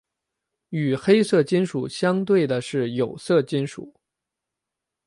与黑色金属相对的是有色金属。